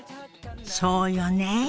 そうよね。